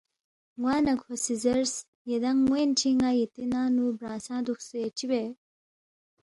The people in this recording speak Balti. ن٘وا نہ کھو سی زیرس ”یدانگ ن٘وین چی ن٘ا یتی ننگ نُو برانگسہ دُوکسے چِہ بید